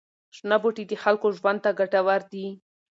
شنه بوټي د خلکو ژوند ته ګټور دي.